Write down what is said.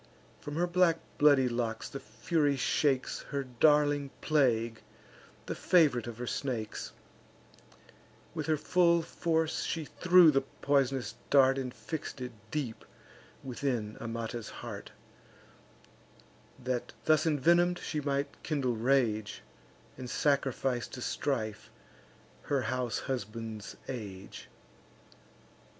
From her black bloody locks the Fury shakes Her darling plague, the fav'rite of her snakes; With her full force she threw the poisonous dart, And fix'd it deep within Amata's heart, That, thus envenom'd, she might kindle rage, And sacrifice to strife her house and husband's age.